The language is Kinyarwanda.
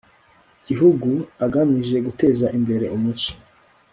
igihugu agamije guteza imbere umuco